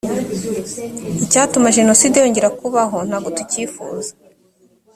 icyatuma jenoside yongera kubaho ntago tukifuza